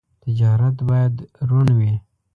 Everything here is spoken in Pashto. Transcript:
تجارت باید روڼ وي.